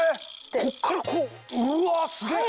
こっからこううわぁすげえ！